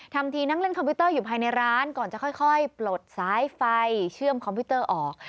ทำทีนั่งเล่นคอมพิวเตอร์อยู่ภายในร้านก่อนจะค่อยปลดสายไฟเชื่อมคอมพิวเตอร์ออก